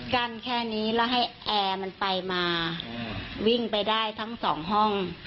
แค่นี้แล้วให้แอร์มันไปมาวิ่งไปได้ทั้งสองห้อง